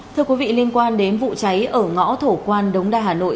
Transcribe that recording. thưa quý vị liên quan đến vụ cháy ở ngõ thổ quan đống đa hà nội